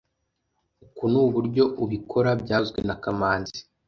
Uku nuburyo ubikora byavuzwe na kamanzi